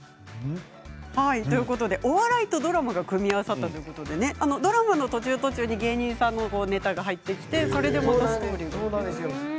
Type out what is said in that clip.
お笑いとドラマが組み合わさったということでドラマの途中途中に芸人さんのネタが入ってきてそうなんですよ。